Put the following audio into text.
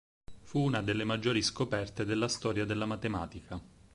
Fu una delle maggiori scoperte della storia della matematica.